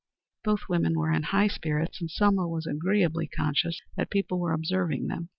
Both women were in high spirits, and Selma was agreeably conscious that people were observing them.